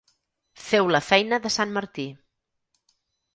Feu la feina de sant Martí.